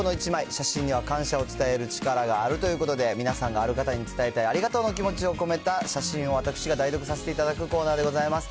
写真には感謝を伝える力があるということで、皆さんがある方に伝えたいありがとうの気持ちを込めた写真を私が代読させていただくコーナーでございます。